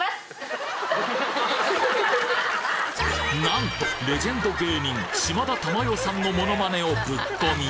なんとレジェンド芸人島田珠代さんのモネマネをぶっこみ！